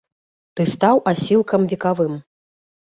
Ты стаў асілкам векавым.